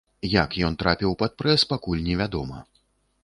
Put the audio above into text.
Як ён трапіў пад прэс, пакуль невядома.